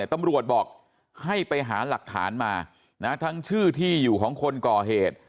ตำรวจบอกให้ไปหาหลักฐานมาทั้งชื่อที่อยู่ของคนก่อเหตุ